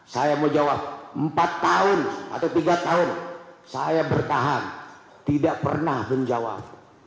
saya mau jawab empat tahun atau tiga tahun saya bertahan tidak pernah menjawab